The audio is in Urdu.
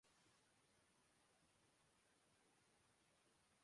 کہاں گئے وہ؟